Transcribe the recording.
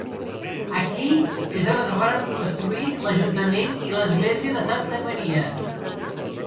Aquí és on es varen construir l'ajuntament i l'església de Santa Maria.